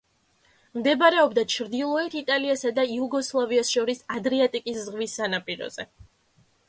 მდებარეობდა ჩრდილოეთ იტალიასა და იუგოსლავიას შორის ადრიატიკის ზღვის სანაპიროზე.